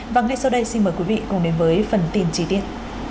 và ngay sau đây xin mời quý vị cùng đến với phần tin chi tiết